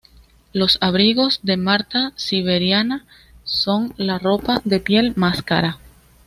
Los abrigos de marta siberiana son la ropa de piel más cara.